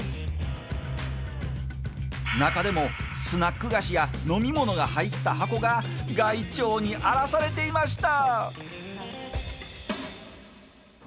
中でもスナック菓子や飲み物が入った箱が害鳥に荒らされていました。